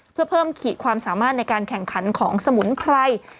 เพื่อเพิ่มขีดความสามารถในการแข่งขันของสมุนไพร